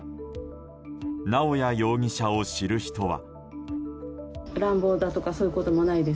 直哉容疑者を知る人は。